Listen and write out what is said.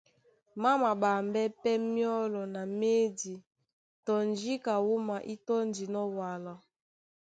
Má maɓambɛ́ pɛ́ myɔ́lɔ na médi tɔ njíka wúma ó tɔ́ndinɔ́ wala.